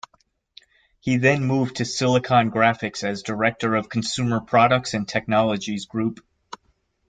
He then moved to Silicon Graphics as director of Consumer Products and Technologies Group.